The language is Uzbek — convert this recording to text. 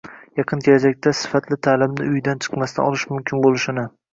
Yaqin kelajakda sifatli ta’limni uydan chiqmasdan olish mumkin bo‘lishini